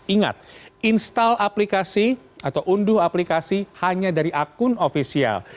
ingat install aplikasi atau unduh aplikasi hanya dari akun ofisial